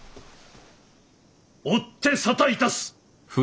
追って沙汰致す。